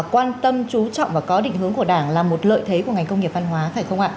quan tâm chú trọng và có định hướng của đảng là một lợi thế của ngành công nghiệp văn hóa phải không ạ